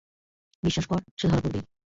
বিশ্বাস কর, সে ধরা পড়বেই।